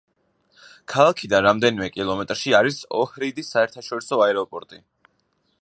ქალაქიდან რამდენიმე კილომეტრში არის ოჰრიდის საერთაშორისო აეროპორტი.